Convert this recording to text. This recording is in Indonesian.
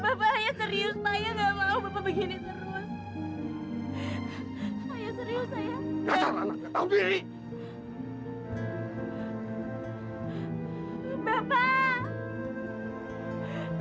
bapak ayah serius pak ayah nggak mau bapak begini terus